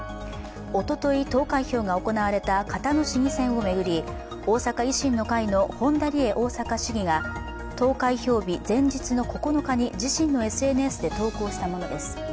おととい、投開票が行われた交野市議選を巡り、大阪維新の会の本田リエ大阪市議が投開票日前日の９日に自身のＳＮＳで投稿したものです。